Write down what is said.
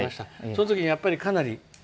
そのときに、やっぱりかなり。